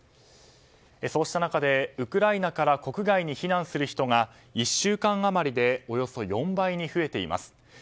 そうした中で、ウクライナから国外に避難する人が１週間余りでおよそ４倍に増えています。